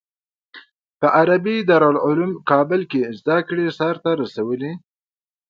په عربي دارالعلوم کابل کې زده کړې سر ته رسولي.